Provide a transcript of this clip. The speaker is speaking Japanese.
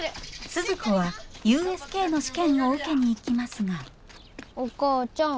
鈴子はＵＳＫの試験を受けに行きますがお母ちゃん。